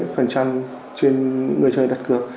phần trăm trên người chơi đặt cược